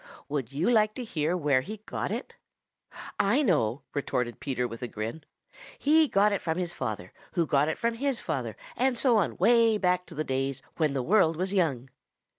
"Would you like to hear where he got it?" "I know," retorted Peter with a grin. "He got it from his father, who got it from his father, and so on way back to the days when the world was young."